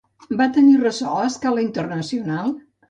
Va tenir ressò a escala internacional?